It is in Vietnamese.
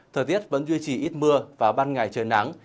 thời tiết vẫn duy trì ít mưa và ban ngày trời nắng